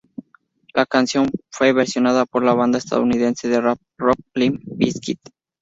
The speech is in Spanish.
La canción fue versionada por la banda estadounidense de rap rock Limp Bizkit.